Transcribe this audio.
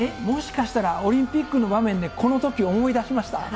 もしかしたらオリンピックの場面で、このときを思い出しました？